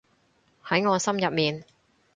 喺我心入面